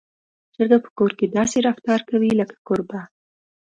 چرګه په کور کې داسې رفتار کوي لکه کوربه.